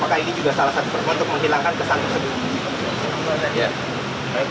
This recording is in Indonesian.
apakah ini juga salah satu bentuk menghilangkan kesan tersebut